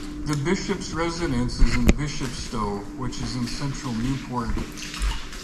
The bishop's residence is Bishopstow, which is in central Newport.